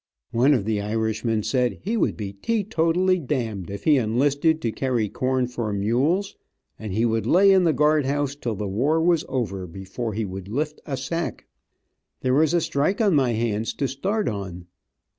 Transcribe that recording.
One of the Irishmen said he would be teetotally d d if he enlisted to carry corn for mules, and he would lay in the guard house till the war was over before he would lift a sack. There was a strike on my hands to start on.